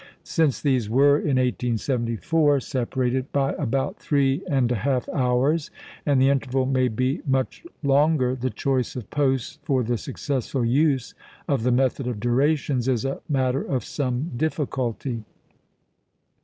Since these were, in 1874, separated by about three and a half hours, and the interval may be much longer, the choice of posts for the successful use of the "method of durations" is a matter of some difficulty.